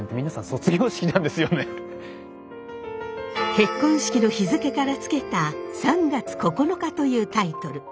結婚式の日付から付けた「３月９日」というタイトル。